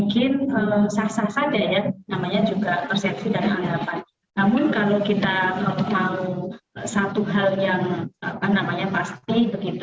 kita harus melihat dari sebuah data